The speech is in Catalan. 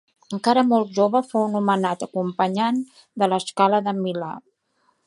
Encara molt jove, fou nomenat acompanyant de La Scala de Milà.